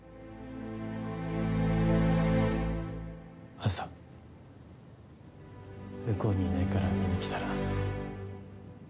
朝向こうにいないから見に来たら。